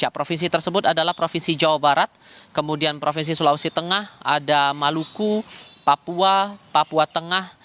provinsi tersebut adalah provinsi jawa barat kemudian provinsi sulawesi tengah ada maluku papua papua tengah